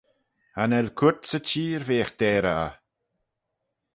Cha nel cooyrt sy çheer veagh deyrey eh.